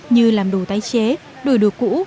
như làm đồ tái chế đổi đồ cũ